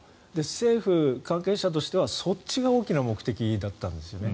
政府関係者としては、そっちが大きな目的だったんですね。